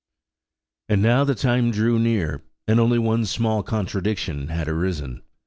And now the time drew near, and only one small contradiction had arisen.